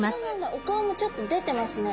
お顔もちょっと出てますね。